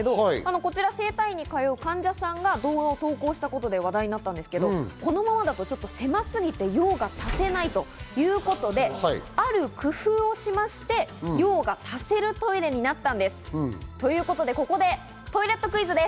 こちら整体に通う患者さんが動画を投稿したことで話題になったんですが、このままだと狭すぎて用が足せないということで、ある工夫をしまして、用が足せるようになったということなんです。